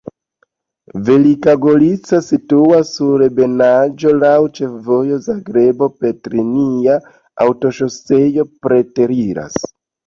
Velika Gorica situas sur ebenaĵo, laŭ ĉefvojo Zagrebo-Petrinja, aŭtoŝoseo preteriras.